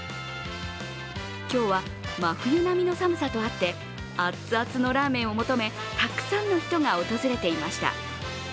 今日は真冬並みの寒さとあってあっつあつのラーメンを求めたくさんの人が訪れていました。